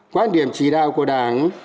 quan điểm chỉ đạo của đảng